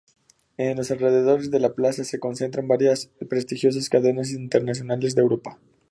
En los alrededores de la plaza se concentran varias prestigiosas cadenas internacionales de ropa.